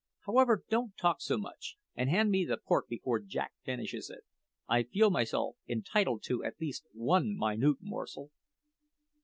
However, don't talk so much, and hand me the pork before Jack finishes it. I feel myself entitled to at least one minute morsel."